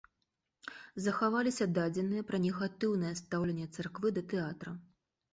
Захаваліся дадзеныя пра негатыўнае стаўленне царквы да тэатра.